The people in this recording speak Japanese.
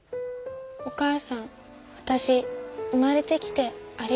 お母さんわたし生まれてきてありがとうって。